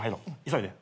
急いで。